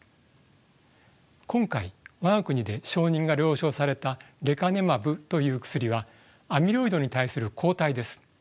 今回我が国で承認が了承されたレカネマブという薬はアミロイドに対する抗体です。